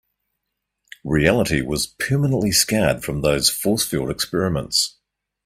Reality was permanently scarred from those force field experiments.